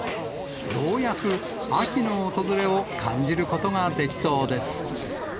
ようやく秋の訪れを感じることができそうです。